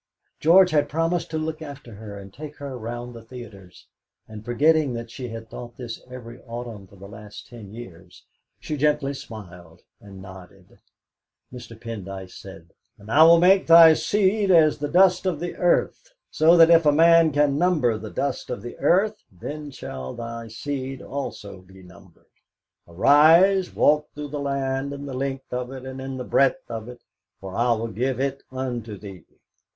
George had promised to look after her, and take her round the theatres. And forgetting that she had thought this every autumn for the last ten years, she gently smiled and nodded. Mr. Pendyce said: "'And I will make thy seed as the dust of the earth; so that if a man can number the dust of the earth, then shall thy seed also be numbered. Arise, walk through the land in the length of it and in the breadth of it; for I will give it unto thee.